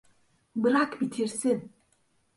Bırak bitirsin.